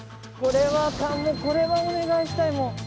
これはこれはお願いしたいもう。